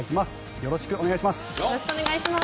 よろしくお願いします。